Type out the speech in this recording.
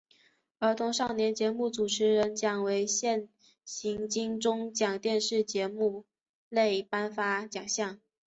儿童少年节目主持人奖为现行金钟奖电视节目类颁发奖项。